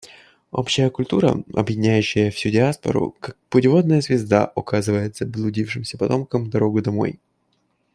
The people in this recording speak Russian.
Общая культура, объединяющая всю диаспору, как путеводная звезда, указывает заблудившимся потомкам дорогу домой.